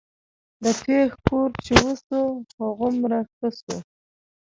د پښ کور چې وسو هغومره ښه سو.